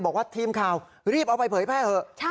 บอกว่าทีมข่าวรีบเอาไปเผยแพร่เถอะ